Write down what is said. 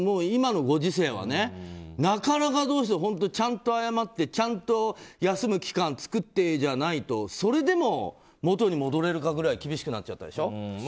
今のご時世はなかなかちゃんと謝ってちゃんと休む期間を作ってじゃないとそれでも元に戻れるかぐらい厳しくなっちゃったでしょ。